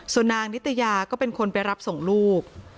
ส่วนนางนิตยาก็เป็นคนไปรับส่งลูก